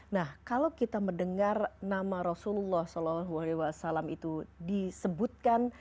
nah kalau kita mendengar nama rasulullah saw itu disebutkan